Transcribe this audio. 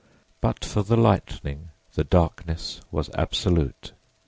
But for the lightning the darkness was absolute.